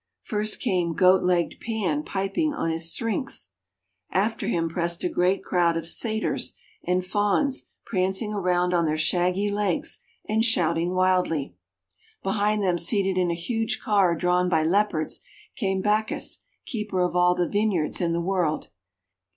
First came goat legged Pan pip ing on his Syrinx. After him pressed a great crowd of Satyrs and Fauns prancing around on their shaggy legs, and shouting wildly. Behind them, seated in a huge car drawn by Leopards, came Bacchus, Keeper of All the Vine yards in the World.